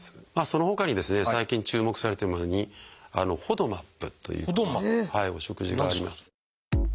そのほかにですね最近注目されてるものに「ＦＯＤＭＡＰ」というお食事があります。